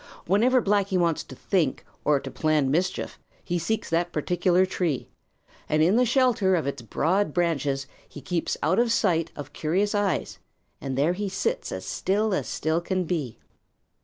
Whenever Blacky wants to think or to plan mischief, he seeks that particular tree, and in the shelter of its broad branches he keeps out of sight of curious eyes, and there he sits as still as still can be.